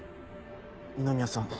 二宮さん